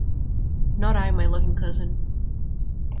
Not I, my loving cousin!